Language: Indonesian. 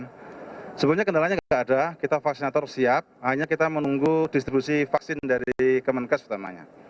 dan sebetulnya kendalanya tidak ada kita vaksinator siap hanya kita menunggu distribusi vaksin dari kemenkes utamanya